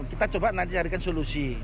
kita coba nanti carikan solusi